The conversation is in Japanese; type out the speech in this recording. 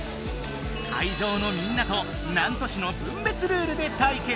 会場のみんなと南砺市の分別ルールで対決！